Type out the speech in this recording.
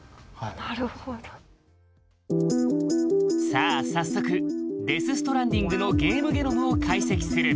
さあ早速「デス・ストランディング」のゲームゲノムを解析する。